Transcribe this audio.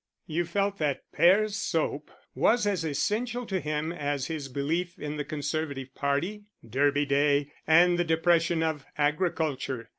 You felt that Pear's Soap was as essential to him as his belief in the Conservative Party, Derby Day, and the Depression of Agriculture.